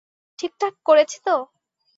ঠিকঠাক করেছি তো?